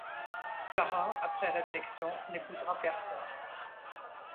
Tara après réflexion n'épousera personne.